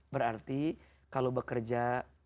berarti kalau bekerja